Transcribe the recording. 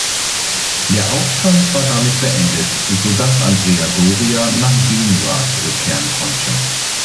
Der Aufstand war damit beendet, so dass Andrea Doria nach Genua zurückkehren konnte.